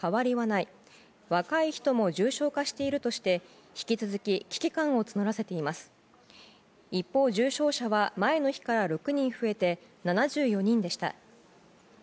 一方、重症者は、前の日から６人増えて７４人でした。